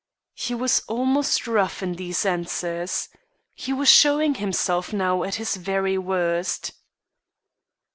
He was almost rough in these answers. He was showing himself now at his very worst.